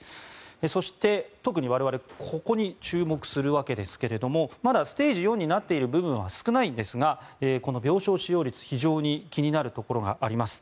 そして、特に我々ここに注目するわけですけれどもまだステージ４になっている部分は少ないんですがこの病床使用率が、非常に気になるところがあります。